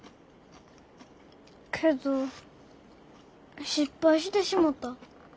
けど失敗してしもた。